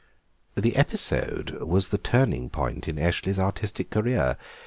The episode was the turning point in Eshley's artistic career.